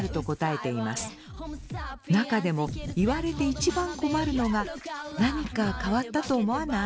中でも言われて一番困るのが「何か変わったと思わない？」